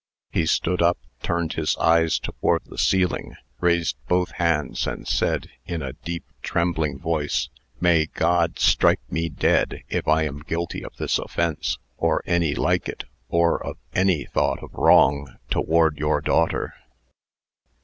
He stood up, turned his eyes to the ceiling, raised both hands, and said, in a deep, trembling voice: "May God strike me dead, if I am guilty of this offence, or any like it, or of any thought of wrong toward your daughter."